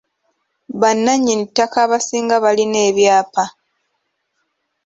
Bannannyini ttaka abasinga balina epyaapa.